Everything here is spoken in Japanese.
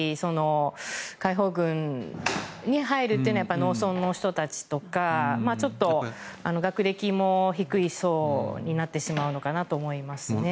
解放軍に入るというのは農村の人たちとかちょっと学歴も低い層になってしまうのかなと思うんですよね。